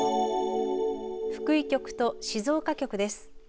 福井局と静岡局です。